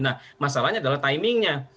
nah masalahnya adalah timingnya